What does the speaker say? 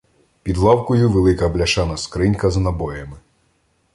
Під лавкою — велика бляшана скринька з набоями.